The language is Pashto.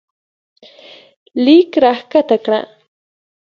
لیک راښکته کړه